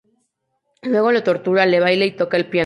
Luego lo "tortura", le baila y toca el piano.